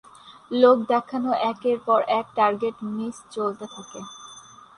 লোক দেখানো একের পর এক টার্গেট মিস চলতে থাকে।